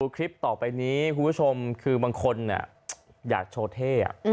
คลิปต่อไปนี้คุณผู้ชมคือบางคนอยากโชว์เท่